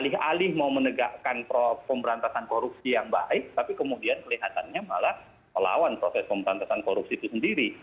alih alih mau menegakkan pemberantasan korupsi yang baik tapi kemudian kelihatannya malah melawan proses pemberantasan korupsi itu sendiri